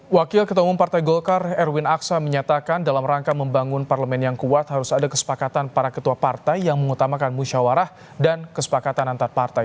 wakil ketua umum partai golkar erwin aksa menyatakan dalam rangka membangun parlemen yang kuat harus ada kesepakatan para ketua partai yang mengutamakan musyawarah dan kesepakatan antar partai